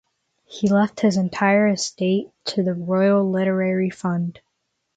He left his entire estate to the Royal Literary Fund.